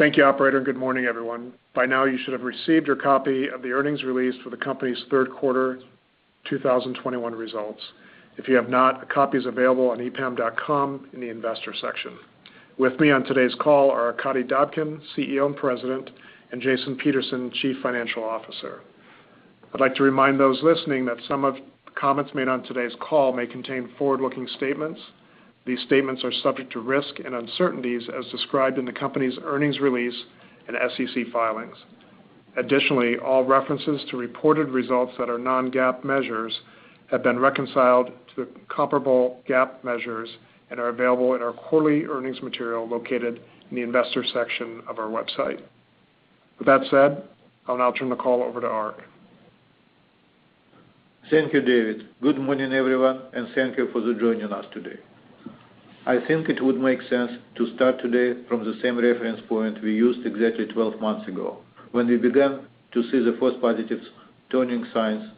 Thank you, operator, and good morning, everyone. By now you should have received your copy of the earnings release for the company's third quarter 2021 results. If you have not, a copy is available on epam.com in the investor section. With me on today's call are Arkadiy Dobkin, CEO and President, and Jason Peterson, Chief Financial Officer. I'd like to remind those listening that some of comments made on today's call may contain forward-looking statements. These statements are subject to risk and uncertainties as described in the company's earnings release and SEC filings. Additionally, all references to reported results that are non-GAAP measures have been reconciled to the comparable GAAP measures and are available in our quarterly earnings material located in the investor section of our website. With that said, I'll now turn the call over to Ark. Thank you, David. Good morning, everyone, and thank you for joining us today. I think it would make sense to start today from the same reference point we used exactly 12 months ago when we began to see the first positive turning signs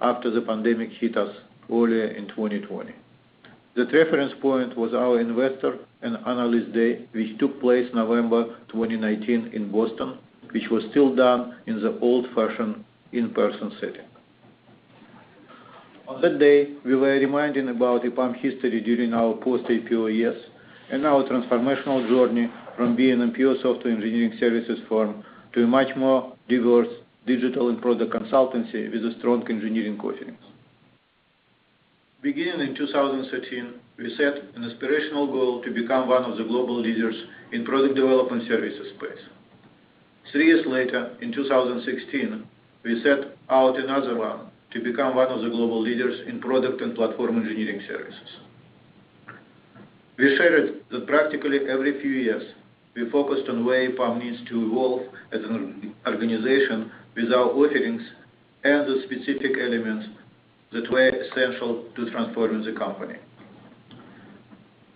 after the pandemic hit us earlier in 2020. That reference point was our Investor and Analyst Day which took place November 2019 in Boston, which was still done in the old-fashioned in-person setting. On that day, we were reminding about EPAM history during our post-IPO years and our transformational journey from being a pure software engineering services firm to a much more diverse digital and product consultancy with a strong engineering offerings. Beginning in 2013, we set an aspirational goal to become one of the global leaders in product development services space. Three years later, in 2016, we set out another one to become one of the global leaders in product and platform engineering services. We shared that practically every few years, we focused on where EPAM needs to evolve as an organization with our offerings and the specific elements that were essential to transforming the company.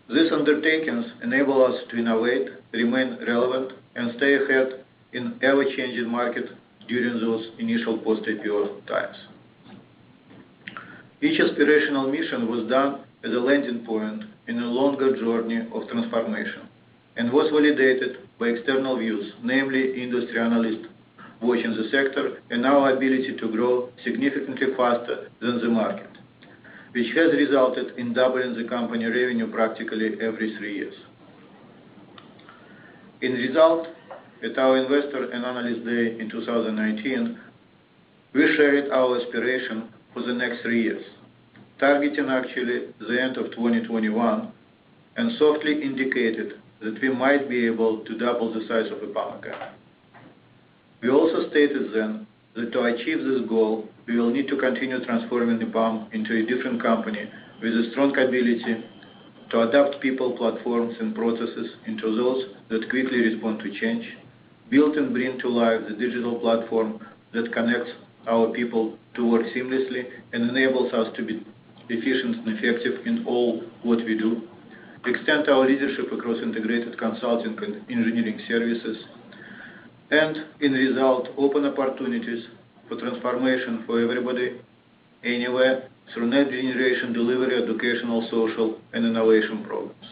These undertakings enable us to innovate, remain relevant, and stay ahead in ever-changing market during those initial post-IPO times. Each aspirational mission was done as a landing point in a longer journey of transformation and was validated by external views, namely industry analysts watching the sector and our ability to grow significantly faster than the market, which has resulted in doubling the company revenue practically every three years. As a result, at our investor and analyst day in 2019, we shared our aspiration for the next three years, targeting actually the end of 2021, and softly indicated that we might be able to double the size of EPAM again. We also stated then that to achieve this goal, we will need to continue transforming EPAM into a different company with a strong ability to adapt people, platforms, and processes into those that quickly respond to change, build and bring to life the digital platform that connects our people to work seamlessly and enables us to be efficient and effective in all what we do, extend our leadership across integrated consulting and engineering services, and as a result, open opportunities for transformation for everybody anywhere through next generation delivery, educational, social, and innovation programs.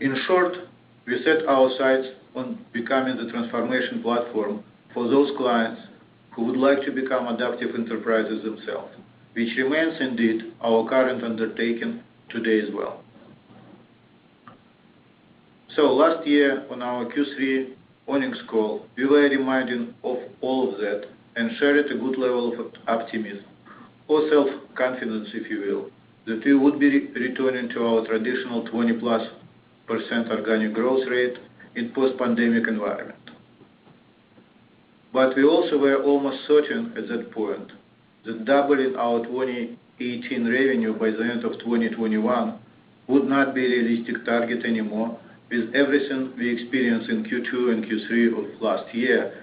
In short, we set our sights on becoming the transformation platform for those clients who would like to become adaptive enterprises themselves, which remains indeed our current undertaking today as well. Last year on our Q3 earnings call, we were reminding of all of that and shared a good level of optimism or self-confidence, if you will, that we would be returning to our traditional 20%+ organic growth rate in post-pandemic environment. We also were almost certain at that point that doubling our 2018 revenue by the end of 2021 would not be a realistic target anymore with everything we experienced in Q2 and Q3 of last year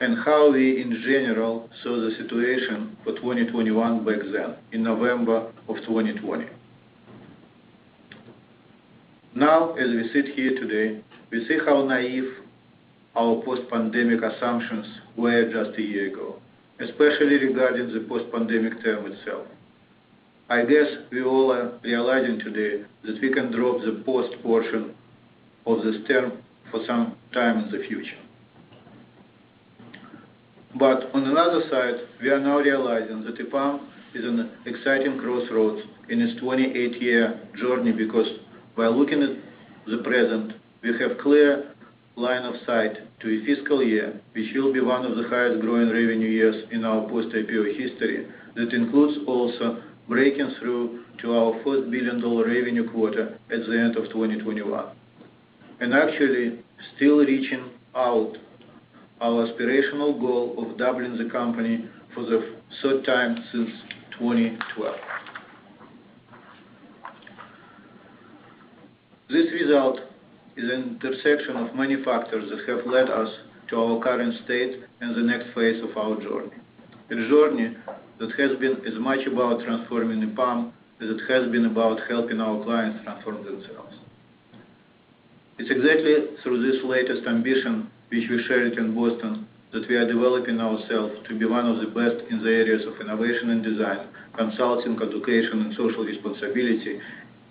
and how we, in general, saw the situation for 2021 back then in November of 2020. Now, as we sit here today, we see how naïve our post-pandemic assumptions were just a year ago, especially regarding the post-pandemic term itself. I guess we all are realizing today that we can drop the post portion of this term for some time in the future. On another side, we are now realizing that EPAM is in an exciting crossroads in its 28 year journey because while looking at the present, we have clear line of sight to a fiscal year which will be one of the highest growing revenue years in our post-IPO history that includes also breaking through to our first billion-dollar revenue quarter at the end of 2021, and actually still reaching out our aspirational goal of doubling the company for the third time since 2012. This result is an intersection of many factors that have led us to our current state and the next phase of our journey, a journey that has been as much about transforming EPAM as it has been about helping our clients transform themselves. It's exactly through this latest ambition, which we shared in Boston, that we are developing ourselves to be one of the best in the areas of innovation and design, consulting, education, and social responsibility,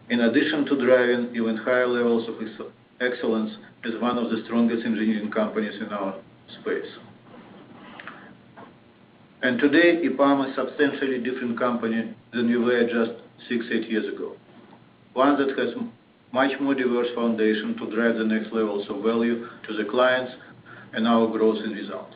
in addition to driving even higher levels of excellence as one of the strongest engineering companies in our space. Today, EPAM is substantially different company than we were just six, eight years ago. One that has much more diverse foundation to drive the next levels of value to the clients and our growth and result.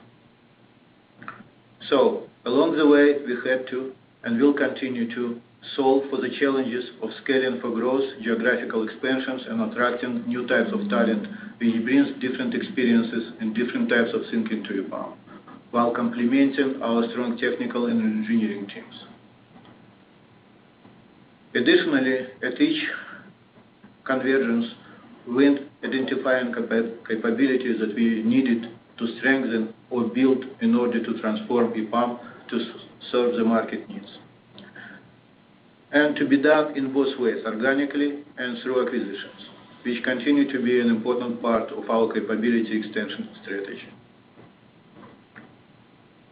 Along the way, we have to, and will continue to solve for the challenges of scaling for growth, geographical expansions, and attracting new types of talent, which brings different experiences and different types of thinking to EPAM, while complementing our strong technical and engineering teams. Additionally, at each convergence, we're identifying capabilities that we needed to strengthen or build in order to transform EPAM to serve the market needs. To be done in both ways, organically and through acquisitions, which continue to be an important part of our capability extension strategy.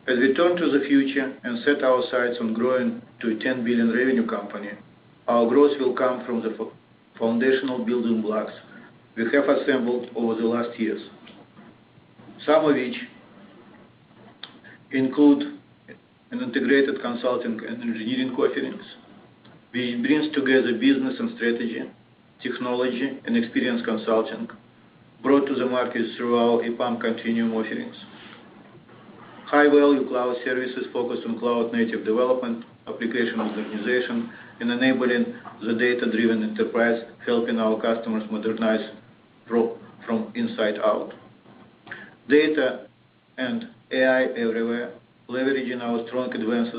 As we turn to the future and set our sights on growing to a $10 billion revenue company, our growth will come from the foundational building blocks we have assembled over the last years, some of which include an integrated consulting and engineering offerings, which brings together business and strategy, technology and experience consulting brought to the market through our EPAM Continuum offerings. High-value cloud services focused on cloud-native development, application modernization of the organization, and enabling the data-driven enterprise, helping our customers modernize from inside out. Data and AI everywhere, leveraging our strong advanced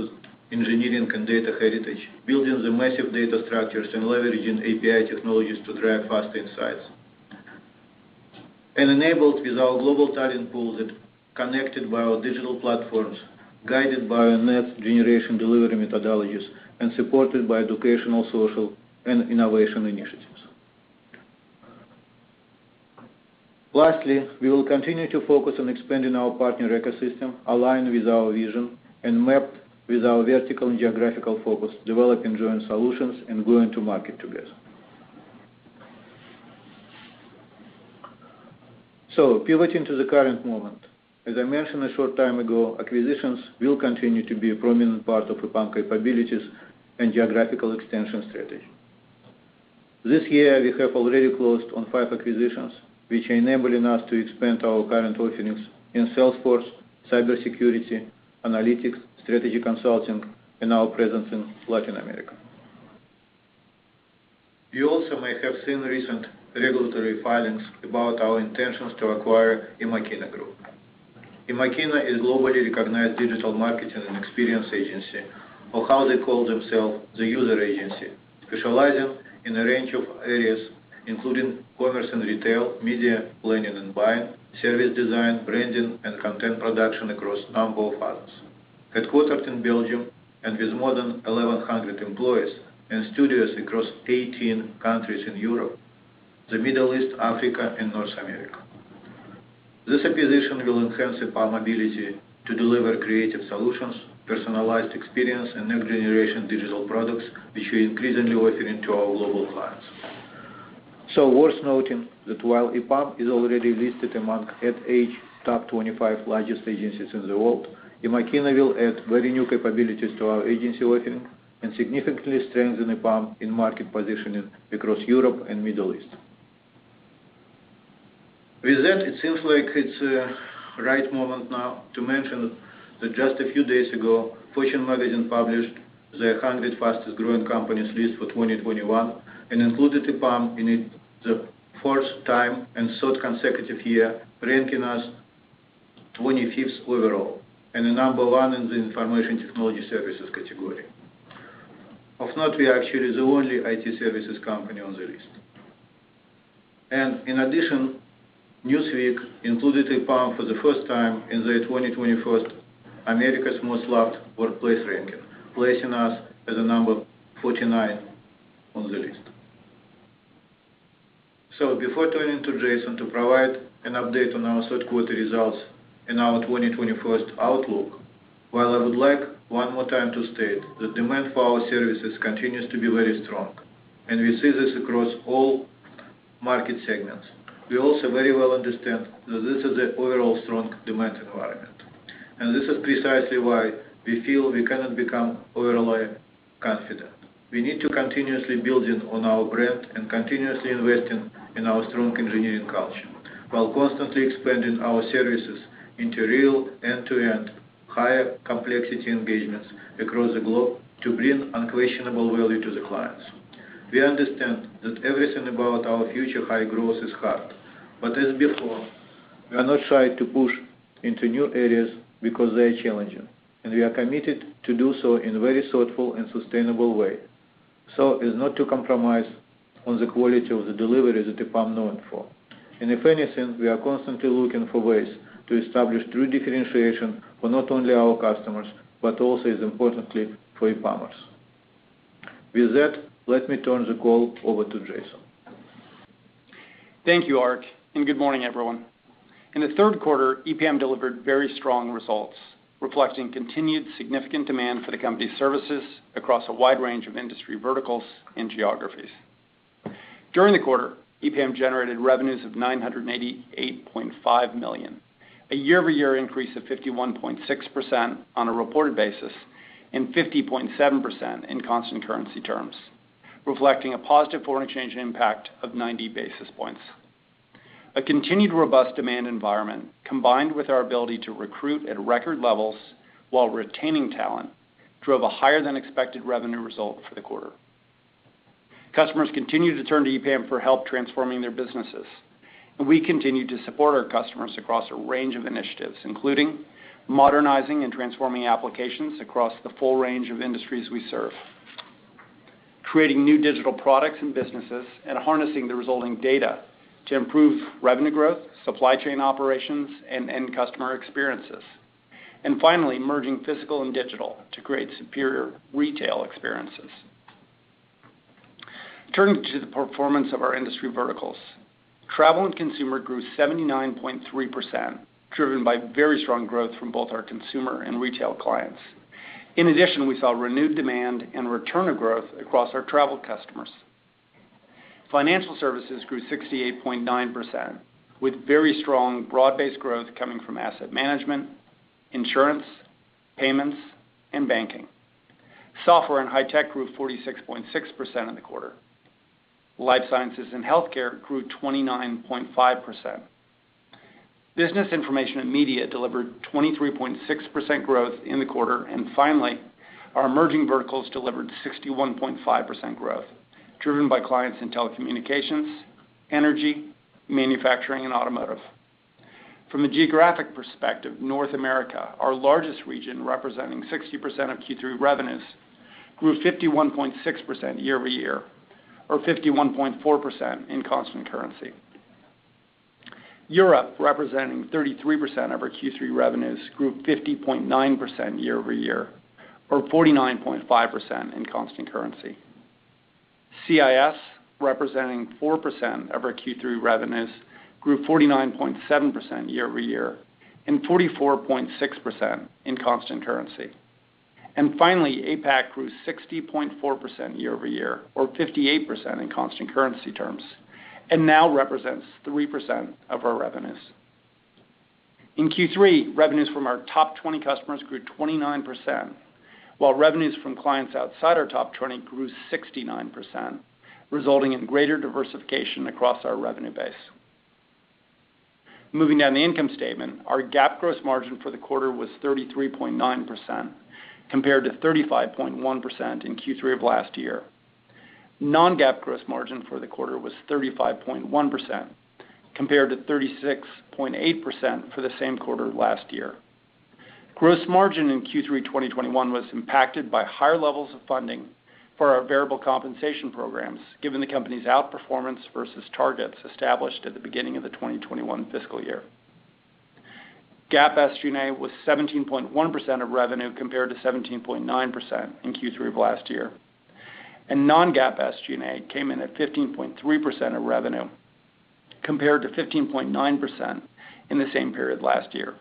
engineering and data heritage, building the massive data structures, and leveraging API technologies to drive faster insights. Enabled with our global talent pool that connected by our digital platforms, guided by a next-generation delivery methodologies, and supported by educational, social, and innovation initiatives. Lastly, we will continue to focus on expanding our partner ecosystem, align with our vision, and map with our vertical and geographical focus, developing joint solutions and going to market together. Pivoting to the current moment, as I mentioned a short time ago, acquisitions will continue to be a prominent part of EPAM capabilities and geographical extension strategy. This year, we have already closed on five acquisitions, which are enabling us to expand our current offerings in Salesforce, cybersecurity, analytics, strategy consulting, and our presence in Latin America. You also may have seen recent regulatory filings about our intentions to acquire Emakina Group. Emakina is globally recognized digital marketing and experience agency, or how they call themselves, the user agency, specializing in a range of areas, including commerce and retail, media planning and buying, service design, branding, and content production across a number of partners. Headquartered in Belgium, with more than 1,100 employees and studios across 18 countries in Europe, the Middle East, Africa, and North America. This acquisition will enhance EPAM's ability to deliver creative solutions, personalized experience, and next-generation digital products, which we're increasingly offering to our global clients. Worth noting that while EPAM is already listed among Ad Age Top 25 largest agencies in the world, Emakina will add very new capabilities to our agency offering and significantly strengthen EPAM in market positioning across Europe and Middle East. With that, it seems like it's the right moment now to mention that just a few days ago, Fortune Magazine published their 100 Fastest-Growing Companies list for 2021 and included EPAM in it the fourth time and third consecutive year, ranking us 25th overall and the number one in the information technology services category. Of note, we are actually the only IT services company on the list. In addition, Newsweek included EPAM for the first time in the 2021 America's Most Loved Workplaces ranking, placing us as number 49 on the list. Before turning to Jason to provide an update on our third quarter results and our 2021 outlook, while I would like one more time to state that demand for our services continues to be very strong, and we see this across all market segments, we also very well understand that this is the overall strong demand environment. This is precisely why we feel we cannot become overly confident. We need to continuously building on our brand and continuously investing in our strong engineering culture while constantly expanding our services into real end-to-end higher complexity engagements across the globe to bring unquestionable value to the clients. We understand that everything about our future high growth is hard. As before, we are not shy to push into new areas because they are challenging, and we are committed to do so in a very thoughtful and sustainable way, so as not to compromise on the quality of the delivery that EPAM known for. If anything, we are constantly looking for ways to establish true differentiation for not only our customers, but also as importantly for EPAMers. With that, let me turn the call over to Jason. Thank you, Ark, and good morning, everyone. In the third quarter, EPAM delivered very strong results, reflecting continued significant demand for the company's services across a wide range of industry verticals and geographies. During the quarter, EPAM generated revenues of $988.5 million, a year-over-year increase of 51.6% on a reported basis and 50.7% in constant currency terms, reflecting a positive foreign exchange impact of 90 basis points. A continued robust demand environment, combined with our ability to recruit at record levels while retaining talent, drove a higher than expected revenue result for the quarter. Customers continue to turn to EPAM for help transforming their businesses, and we continue to support our customers across a range of initiatives, including modernizing and transforming applications across the full range of industries we serve. Creating new digital products and businesses and harnessing the resulting data to improve revenue growth, supply chain operations, and end customer experiences. Finally, merging physical and digital to create superior retail experiences. Turning to the performance of our industry verticals. Travel and Consumer grew 79.3%, driven by very strong growth from both our consumer and retail clients. In addition, we saw renewed demand and return of growth across our travel customers. Financial Services grew 68.9%, with very strong broad-based growth coming from asset management, insurance, payments, and banking. Software and High Tech grew 46.6% in the quarter. Life Sciences and Healthcare grew 29.5%. Business Information and Media delivered 23.6% growth in the quarter. Finally, our emerging verticals delivered 61.5% growth, driven by clients in telecommunications, energy, manufacturing, and automotive. From a geographic perspective, North America, our largest region representing 60% of Q3 revenues, grew 51.6% year-over-year, or 51.4% in constant currency. Europe, representing 33% of our Q3 revenues, grew 50.9% year-over-year, or 49.5% in constant currency. CIS, representing 4% of our Q3 revenues, grew 49.7% year-over-year and 44.6% in constant currency. Finally, APAC grew 60.4% year-over-year or 58% in constant currency terms, and now represents 3% of our revenues. In Q3, revenues from our top 20 customers grew 29%, while revenues from clients outside our top 20 grew 69%, resulting in greater diversification across our revenue base. Moving down the income statement, our GAAP gross margin for the quarter was 33.9%, compared to 35.1% in Q3 of last year. Non-GAAP gross margin for the quarter was 35.1%, compared to 36.8% for the same quarter last year. Gross margin in Q3 2021 was impacted by higher levels of funding for our variable compensation programs, given the company's outperformance versus targets established at the beginning of the 2021 fiscal year. GAAP SG&A was 17.1% of revenue, compared to 17.9% in Q3 of last year. Non-GAAP SG&A came in at 15.3% of revenue, compared to 15.9% in the same period last year.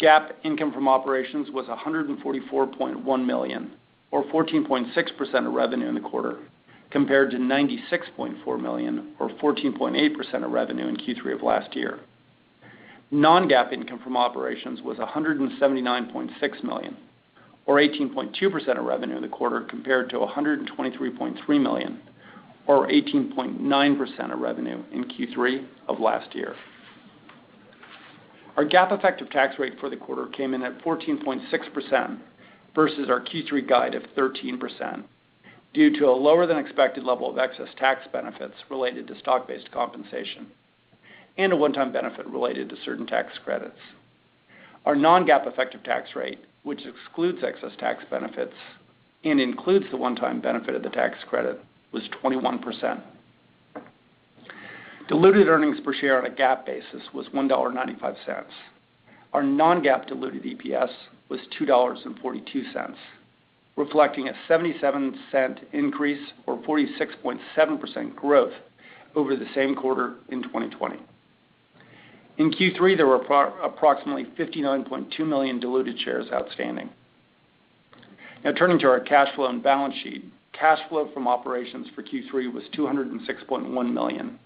GAAP income from operations was $144.1 million, or 14.6% of revenue in the quarter, compared to $96.4 million, or 14.8% of revenue in Q3 of last year. Non-GAAP income from operations was $179.6 million, or 18.2% of revenue in the quarter compared to $123.3 million, or 18.9% of revenue in Q3 of last year. Our GAAP effective tax rate for the quarter came in at 14.6% versus our Q3 guide of 13% due to a lower than expected level of excess tax benefits related to stock-based compensation and a one-time benefit related to certain tax credits. Our non-GAAP effective tax rate, which excludes excess tax benefits and includes the one-time benefit of the tax credit, was 21%. Diluted earnings per share on a GAAP basis was $1.95. Our non-GAAP diluted EPS was $2.42, reflecting a $0.77 increase or 46.7% growth over the same quarter in 2020. In Q3, there were approximately 59.2 million diluted shares outstanding. Now, turning to our cash flow and balance sheet. Cash flow from operations for Q3 was $206.1 million,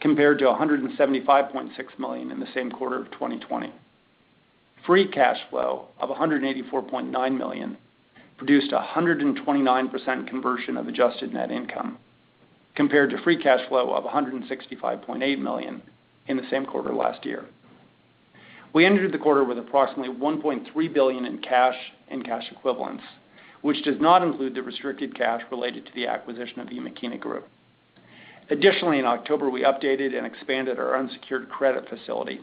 compared to $175.6 million in the same quarter of 2020. Free cash flow of $184.9 million produced 129% conversion of adjusted net income, compared to free cash flow of $165.8 million in the same quarter last year. We ended the quarter with approximately $1.3 billion in cash and cash equivalents, which does not include the restricted cash related to the acquisition of the Emakina Group. Additionally, in October, we updated and expanded our unsecured credit facility,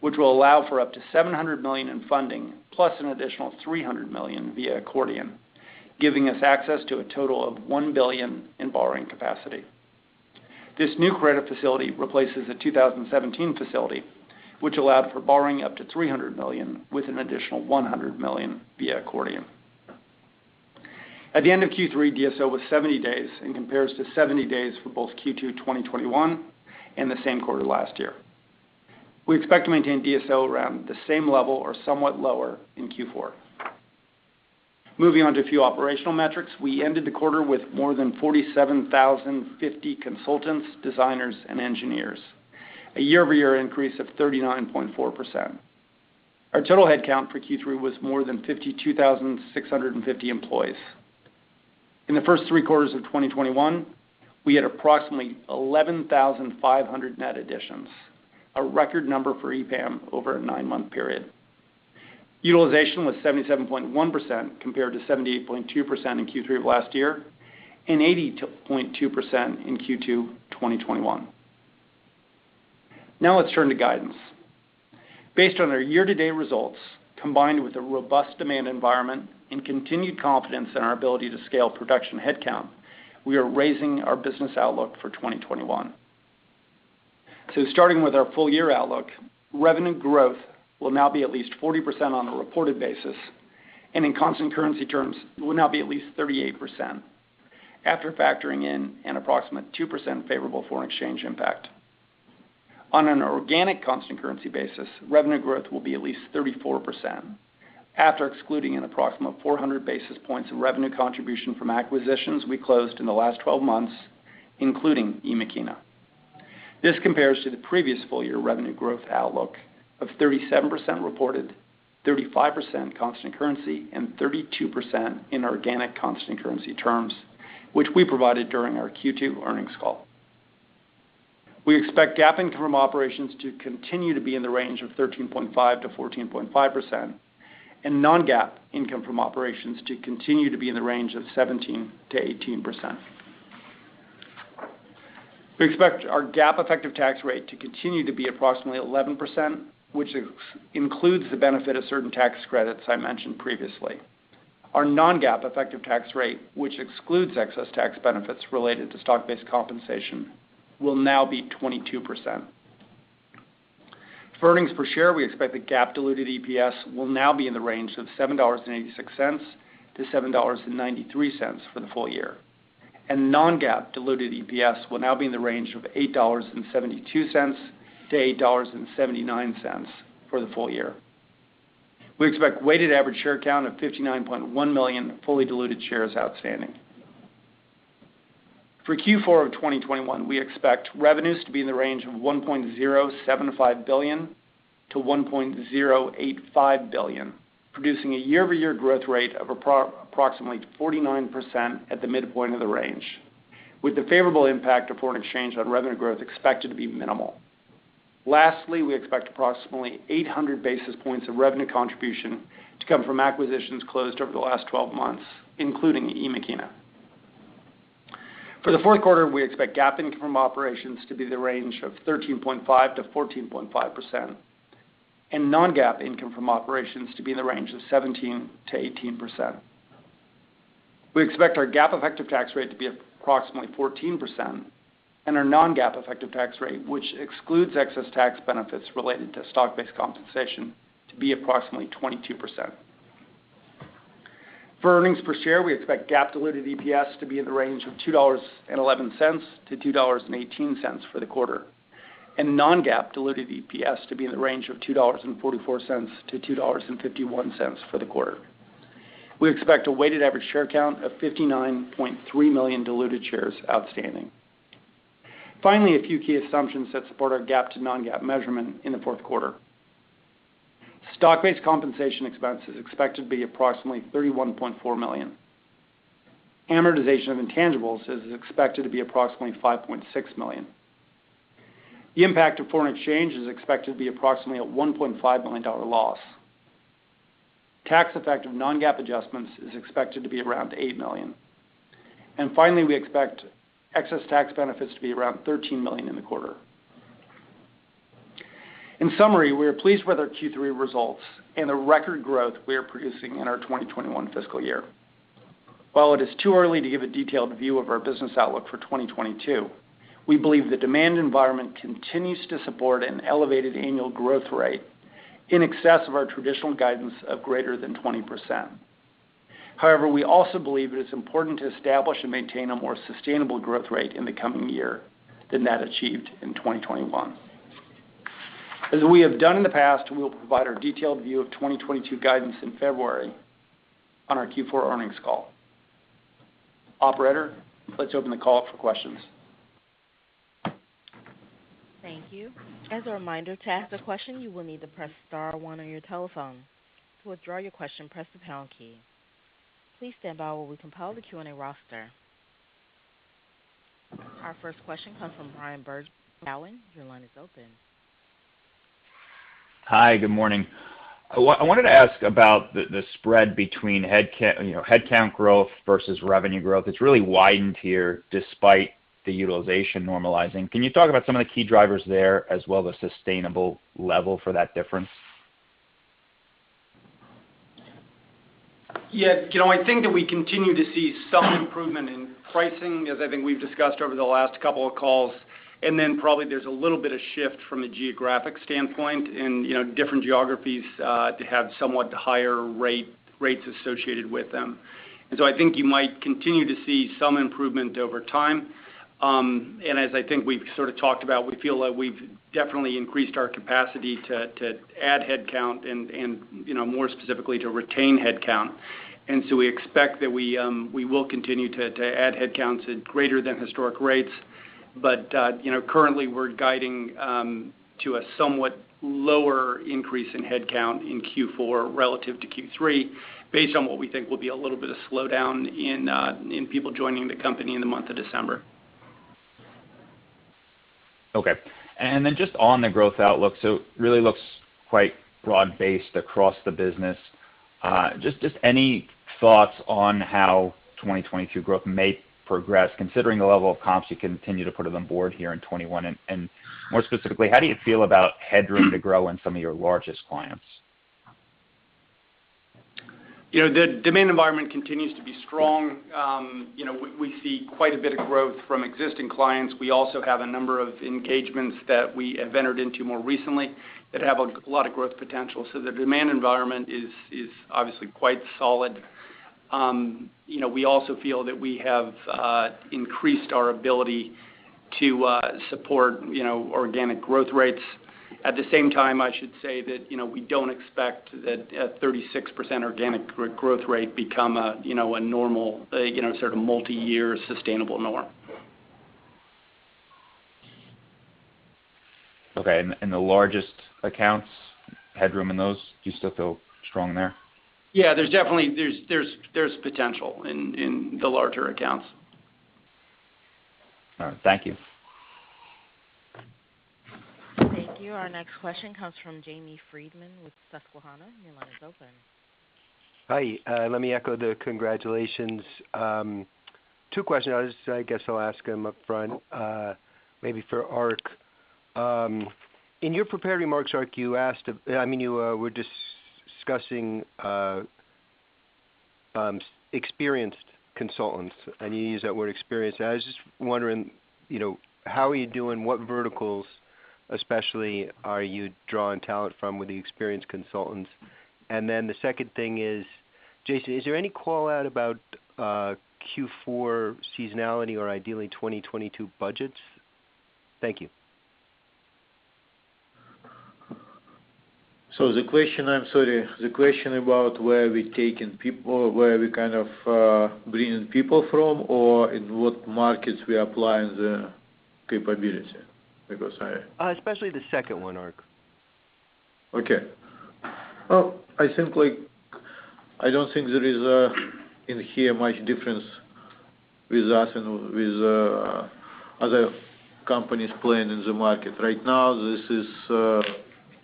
which will allow for up to $700 million in funding, plus an additional $300 million via accordion, giving us access to a total of $1 billion in borrowing capacity. This new credit facility replaces a 2017 facility, which allowed for borrowing up to $300 million with an additional $100 million via accordion. At the end of Q3, DSO was 70 days and compares to 70 days for both Q2 2021 and the same quarter last year. We expect to maintain DSO around the same level or somewhat lower in Q4. Moving on to a few operational metrics. We ended the quarter with more than 47,050 consultants, designers, and engineers, a year-over-year increase of 39.4%. Our total headcount for Q3 was more than 52,650 employees. In the first three quarters of 2021, we had approximately 11,500 net additions, a record number for EPAM over a nine month period. Utilization was 77.1% compared to 78.2% in Q3 of last year, and 80.2% in Q2 2021. Now let's turn to guidance. Based on our year-to-date results, combined with a robust demand environment and continued confidence in our ability to scale production headcount, we are raising our business outlook for 2021. Starting with our full-year outlook, revenue growth will now be at least 40% on a reported basis, and in constant currency terms, will now be at least 38% after factoring in an approximate 2% favorable foreign exchange impact. On an organic constant currency basis, revenue growth will be at least 34% after excluding an approximate 400 basis points of revenue contribution from acquisitions we closed in the last 12 months, including Emakina. This compares to the previous full-year revenue growth outlook of 37% reported, 35% constant currency, and 32% in organic constant currency terms, which we provided during our Q2 earnings call. We expect GAAP income from operations to continue to be in the range of 13.5%-14.5%, and non-GAAP income from operations to continue to be in the range of 17%-18%. We expect our GAAP effective tax rate to continue to be approximately 11%, which includes the benefit of certain tax credits I mentioned previously. Our non-GAAP effective tax rate, which excludes excess tax benefits related to stock-based compensation, will now be 22%. For earnings per share, we expect the GAAP diluted EPS will now be in the range of $7.86-$7.93 for the full-year. non-GAAP diluted EPS will now be in the range of $8.72-$8.79 for the full-year. We expect weighted average share count of 59.1 million fully diluted shares outstanding. For Q4 of 2021, we expect revenues to be in the range of $1.075 billion-$1.085 billion, producing a year-over-year growth rate of approximately 49% at the midpoint of the range, with the favorable impact of foreign exchange on revenue growth expected to be minimal. Lastly, we expect approximately 800 basis points of revenue contribution to come from acquisitions closed over the last 12 months, including Emakina. For the fourth quarter, we expect GAAP income from operations to be in the range of 13.5%-14.5%, and non-GAAP income from operations to be in the range of 17%-18%. We expect our GAAP effective tax rate to be approximately 14%, and our non-GAAP effective tax rate, which excludes excess tax benefits related to stock-based compensation, to be approximately 22%. For earnings per share, we expect GAAP diluted EPS to be in the range of $2.11-$2.18 for the quarter, and non-GAAP diluted EPS to be in the range of $2.44-$2.51 for the quarter. We expect a weighted average share count of 59.3 million diluted shares outstanding. Finally, a few key assumptions that support our GAAP to non-GAAP measurement in the fourth quarter. Stock-based compensation expense is expected to be approximately $31.4 million. Amortization of intangibles is expected to be approximately $5.6 million. The impact of foreign exchange is expected to be approximately a $1.5 million loss. Tax effect of non-GAAP adjustments is expected to be around $8 million. Finally, we expect excess tax benefits to be around $13 million in the quarter. In summary, we are pleased with our Q3 results and the record growth we are producing in our 2021 fiscal year. While it is too early to give a detailed view of our business outlook for 2022, we believe the demand environment continues to support an elevated annual growth rate in excess of our traditional guidance of greater than 20%. However, we also believe that it's important to establish and maintain a more sustainable growth rate in the coming year than that achieved in 2021. As we have done in the past, we will provide our detailed view of 2022 guidance in February on our Q4 earnings call. Operator, let's open the call up for questions. Thank you. As a reminder, to ask a question, you will need to press Star one on your telephone. To withdraw your question, press the pound key. Please stand by while we compile the Q&A roster. Our first question comes from Bryan Bergin. Your line is open. Hi, good morning. I wanted to ask about the spread between headcount you know, headcount growth versus revenue growth. It's really widened here despite the utilization normalizing. Can you talk about some of the key drivers there as well as sustainable level for that difference? Yeah. You know, I think that we continue to see some improvement in pricing, as I think we've discussed over the last couple of calls. Then probably there's a little bit of shift from a geographic standpoint in you know different geographies to have somewhat higher rates associated with them. I think you might continue to see some improvement over time. As I think we've sort of talked about, we feel that we've definitely increased our capacity to add headcount and you know more specifically to retain headcount. We expect that we will continue to add headcounts at greater than historic rates. You know, currently, we're guiding to a somewhat lower increase in headcount in Q4 relative to Q3, based on what we think will be a little bit of slowdown in people joining the company in the month of December. Okay. Then just on the growth outlook, so it really looks quite broad-based across the business. Just any thoughts on how 2022 growth may progress considering the level of comps you continue to put on board here in 2021? More specifically, how do you feel about headroom to grow in some of your largest clients? You know, the demand environment continues to be strong. You know, we see quite a bit of growth from existing clients. We also have a number of engagements that we have entered into more recently that have a lot of growth potential. The demand environment is obviously quite solid. You know, we also feel that we have increased our ability to support you know, organic growth rates. At the same time, I should say that you know, we don't expect that a 36% organic growth rate become a you know, sort of multiyear sustainable norm. Okay. The largest accounts, headroom in those, do you still feel strong there? Yeah. There's definitely potential in the larger accounts. All right. Thank you. Thank you. Our next question comes from Jamie Friedman with Susquehanna. Your line is open. Hi. Let me echo the congratulations. Two questions. I guess I'll ask them upfront, maybe for Ark. In your prepared remarks, Ark, you asked. I mean, you were discussing experienced consultants, and you used that word experienced. I was just wondering, you know, how are you doing, what verticals especially are you drawing talent from with the experienced consultants? And then the second thing is, Jason, is there any call-out about Q4 seasonality or ideally 2022 budgets? Thank you. The question about where we're taking people, where we're kind of bringing people from, or in what markets we're applying the capability? Because I- Especially the second one, Ark. Okay. Well, I think, like, I don't think there is a, in here, much difference with us and with, other companies playing in the market. Right now, this is,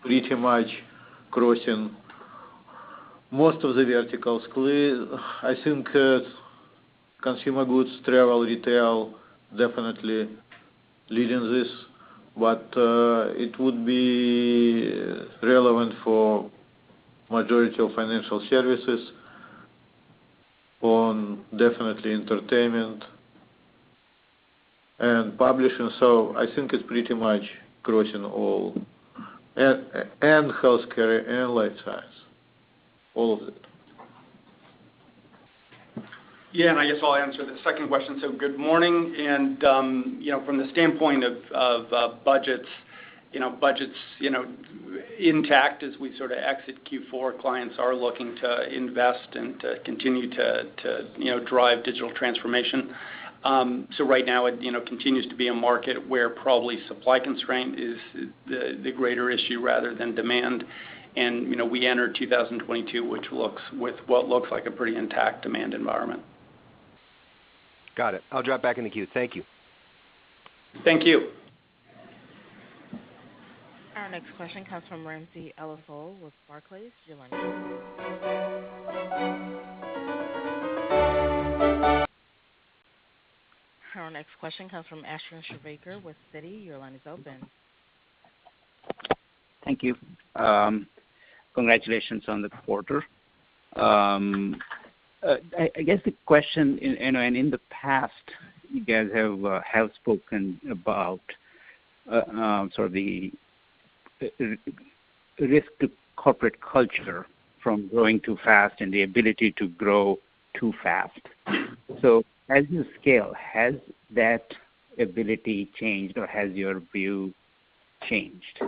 pretty much crossing most of the verticals. I think, consumer goods, travel, retail definitely leading this. It would be relevant for majority of financial services, definitely entertainment and publishing. I think it's pretty much crossing all. Healthcare and life science, all of it. Yeah. I guess I'll answer the second question. Good morning. From the standpoint of budgets, you know, intact as we sort of exit Q4, clients are looking to invest and continue to you know, drive digital transformation. Right now it you know, continues to be a market where probably supply constraint is the greater issue rather than demand. You know, we enter 2022, which looks with what looks like a pretty intact demand environment. Got it. I'll drop back in the queue. Thank you. Thank you. Our next question comes from Ramsey El-Assal with Barclays. Your line is open. Our next question comes from Ashwin Shirvaikar with Citi. Your line is open. Thank you. Congratulations on the quarter. I guess the question, in the past, you guys have spoken about sort of the risk to corporate culture from growing too fast and the ability to grow too fast. As you scale, has that ability changed, or has your view changed?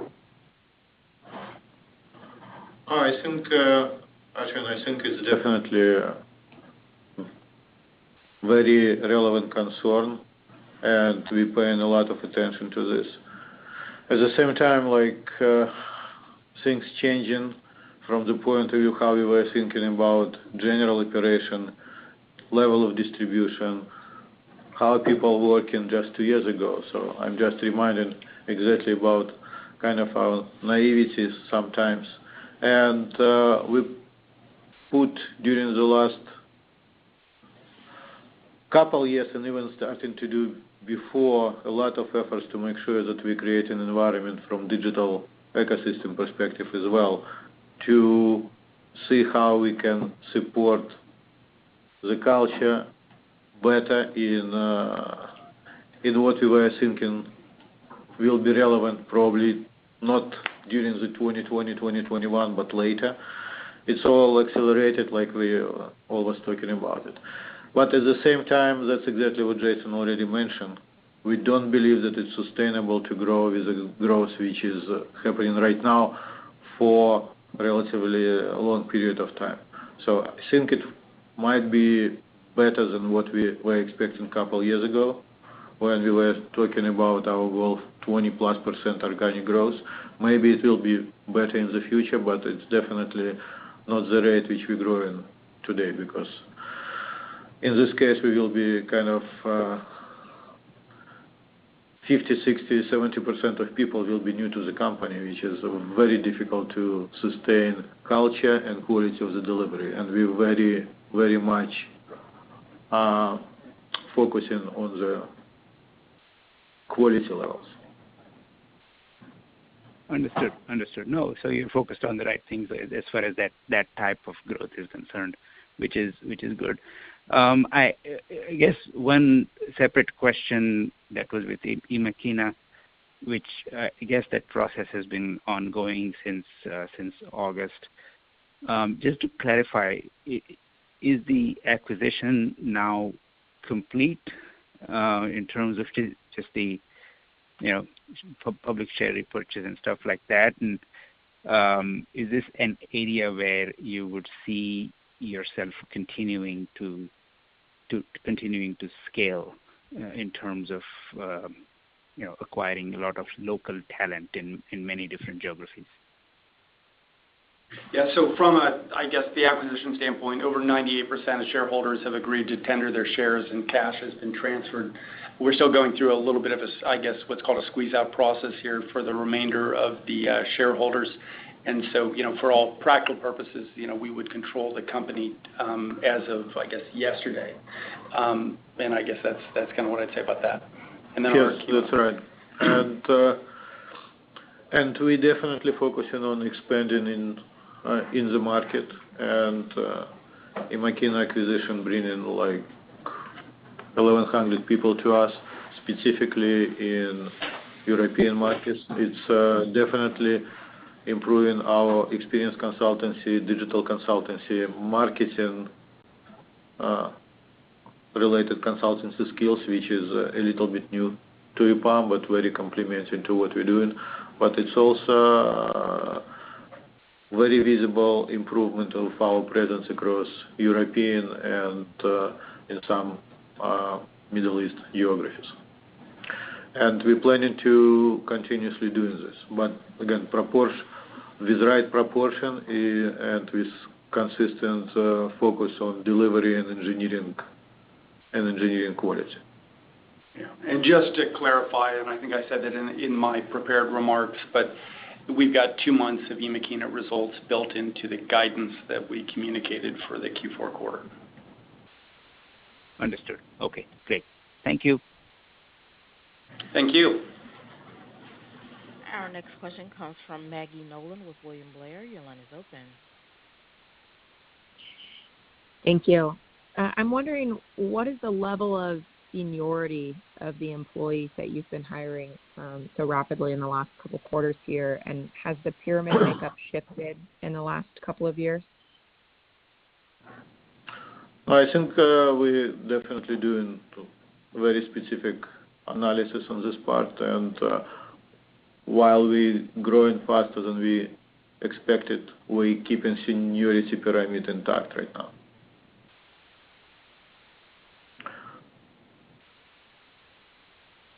I think, Ashwin, it's definitely a very relevant concern, and we're paying a lot of attention to this. At the same time, like, things changing from the point of view how we were thinking about general operation, level of distribution, how people working just two years ago. I'm just reminded exactly about kind of our naivety sometimes. We put during the last couple years, and even starting to do before, a lot of efforts to make sure that we create an environment from digital ecosystem perspective as well, to see how we can support the culture better in what we were thinking will be relevant probably not during the 2020, 2021, but later. It's all accelerated like we always talking about it. At the same time, that's exactly what Jason already mentioned. We don't believe that it's sustainable to grow with the growth which is happening right now for relatively a long period of time. I think it might be better than what we were expecting a couple years ago when we were talking about our goal of 20%+ organic growth. Maybe it will be better in the future, but it's definitely not the rate which we're growing today because in this case, we will be kind of 50%, 60%, 70% of people will be new to the company, which is very difficult to sustain culture and quality of the delivery. We very, very much focusing on the quality levels. Understood. No, you're focused on the right things as far as that type of growth is concerned, which is good. I guess one separate question that was with Emakina, which I guess that process has been ongoing since August. Just to clarify, is the acquisition now complete in terms of just the public share repurchase and stuff like that? Is this an area where you would see yourself continuing to scale in terms of acquiring a lot of local talent in many different geographies? Yeah. From a, I guess, the acquisition standpoint, over 98% of shareholders have agreed to tender their shares, and cash has been transferred. We're still going through a little bit of a I guess, what's called a squeeze-out process here for the remainder of the shareholders. You know, for all practical purposes, you know, we would control the company as of, I guess, yesterday. I guess that's kinda what I'd say about that. Then- Yes, that's right. We definitely focusing on expanding in the market. Emakina acquisition bringing like 1,100 people to us, specifically in European markets. It's definitely improving our experience consultancy, digital consultancy, marketing related consultancy skills, which is a little bit new to EPAM, but very complementary to what we're doing. It's also a very visible improvement of our presence across European and in some Middle East geographies. We're planning to continuously doing this, but again, with right proportion and with consistent focus on delivery and engineering, and engineering quality. Yeah. Just to clarify, I think I said that in my prepared remarks, but we've got two months of Emakina results built into the guidance that we communicated for the Q4 quarter. Understood. Okay, great. Thank you. Thank you. Our next question comes from Maggie Nolan with William Blair. Your line is open. Thank you. I'm wondering, what is the level of seniority of the employees that you've been hiring so rapidly in the last couple quarters here? Has the pyramid makeup shifted in the last couple of years? I think we're definitely doing very specific analysis on this part. While we're growing faster than we expected, we're keeping seniority pyramid intact right now.